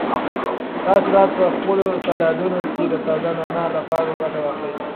تاسو باید په خپلو سالاډونو کې د تازه نعناع له پاڼو ګټه واخلئ.